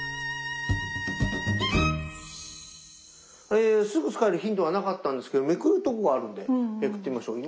えすぐ使えるヒントはなかったんですけどめくるところがあるのでめくってみましょう。